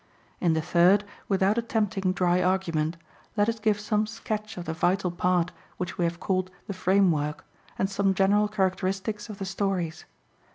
In the third, without attempting dry argument, let us give some sketch of the vital part, which we have called the framework, and some general characteristics of the stories.